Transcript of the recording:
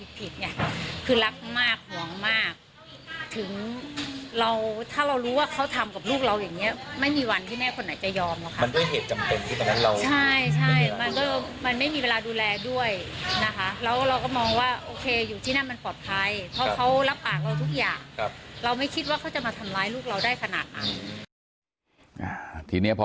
เราทุกอย่างเราไม่คิดว่าเขาจะมาทำร้ายลูกเราได้ขนาดนี้พอ